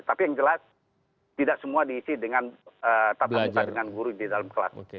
tapi yang jelas tidak semua diisi dengan tatap muka dengan guru di dalam kelas